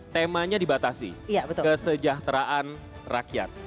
temanya dibatasi kesejahteraan rakyat